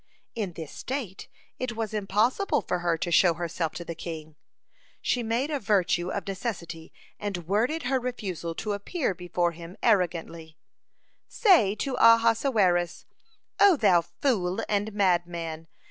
(35) In this state it was impossible for her to show herself to the king. She made a virtue of necessity, and worded her refusal to appear before him arrogantly: "Say to Ahasuerus: 'O thou fool and madman!